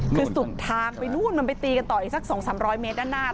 คือสุดทางไปนู่นมันไปตีกันต่ออีกสัก๒๓๐๐เมตรด้านหน้า